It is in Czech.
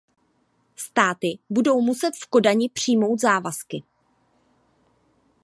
Státy budou muset v Kodani přijmout závazky!